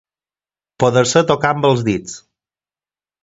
Poder-se tocar amb els dits.